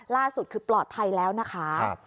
ล่าสุดคือปลอดภัยแล้วนะคะ